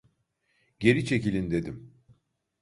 Geri çekilin dedim!